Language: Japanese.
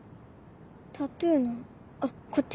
タトゥーのあっこっち